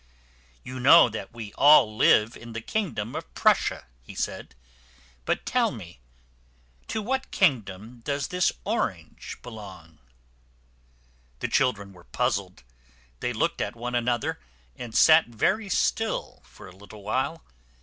"You know that we all live in the king dom of Prussia," he said; "but tell me, to what king dom does this orange belong?" The children were puz zled. They looked at one another, and sat very still for a little while.